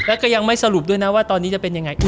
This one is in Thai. แล้วก็ยังไม่สรุปด้วยนะว่าตอนนี้จะเป็นยังไง